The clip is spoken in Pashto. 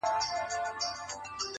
o سړي وایې موږکانو دا کار کړﺉ,